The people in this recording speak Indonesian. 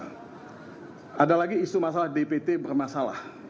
banyak lagi isu masalah dpt bermasalah